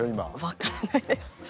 分からないです。